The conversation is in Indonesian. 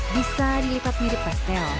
bisa dilipat mirip pastel